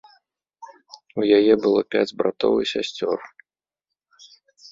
У яе было пяць братоў і сясцёр.